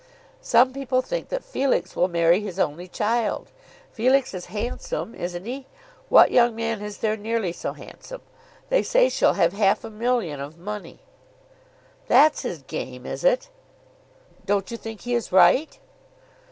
"Some people think that Felix will marry his only child. Felix is handsome; isn't he? What young man is there nearly so handsome? They say she'll have half a million of money." "That's his game; is it?" "Don't you think he is right?"